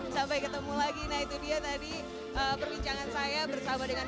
sampai ketemu lagi nah itu dia tadi perbincangan saya bersama dengan